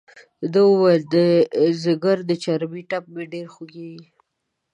ده وویل د ځګر د چړې ټپ مې ډېر خوږېږي.